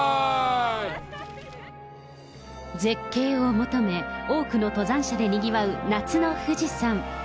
絶景を求め、多くの登山者でにぎわう夏の富士山。